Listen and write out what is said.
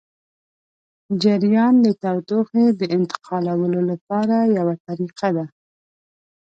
جریان د تودوخې د انتقالولو لپاره یوه طریقه ده.